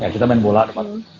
kita main bola depan